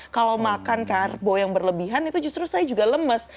kalau makan karbo yang berlebihan itu justru saya juga lemes